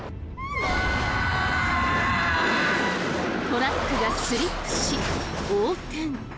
トラックがスリップし横転。